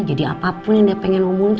jadi apapun yang dia pengen omongin